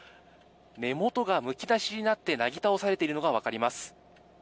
根元がむき出しになってなぎ倒されているのが分かります。